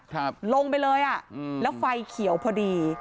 ครับลงไปเลยอ่ะอืมแล้วไฟเขียวพอดี